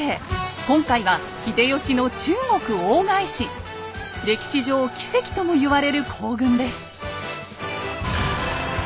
今回は歴史上奇跡ともいわれる行軍です。